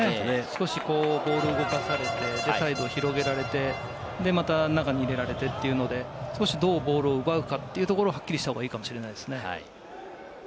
少しボールを動かされて、広げられて、中に入れられてという、どうボールを奪うかというところをはっきりした方がいいかもしれません。